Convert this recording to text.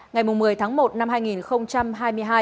ngày một mươi tháng một năm hai nghìn hai mươi hai